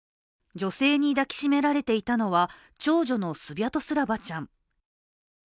女性に抱きしめられていたのは長女のスビャトスラバちゃん。